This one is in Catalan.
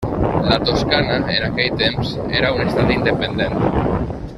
La Toscana, en aquell temps, era un estat independent.